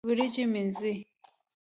وريجي مينځي